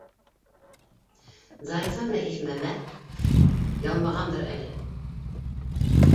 Зарифа менән Ишмәмәт ялмағандыр әле.